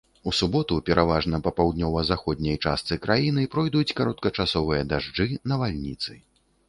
У суботу пераважна па паўднёва-заходняй частцы краіны пройдуць кароткачасовыя дажджы, навальніцы.